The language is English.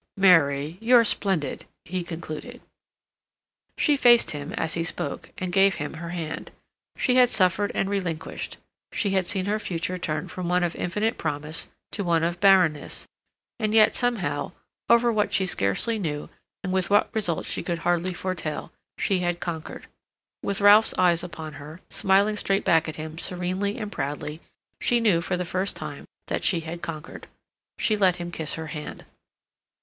"Mary, you're splendid," he concluded. She faced him as he spoke, and gave him her hand. She had suffered and relinquished, she had seen her future turned from one of infinite promise to one of barrenness, and yet, somehow, over what she scarcely knew, and with what results she could hardly foretell, she had conquered. With Ralph's eyes upon her, smiling straight back at him serenely and proudly, she knew, for the first time, that she had conquered. She let him kiss her hand.